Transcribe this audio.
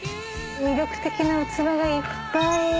魅力的な器がいっぱい。